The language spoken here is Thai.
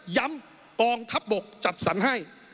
กองทัพบกจัดสรรให้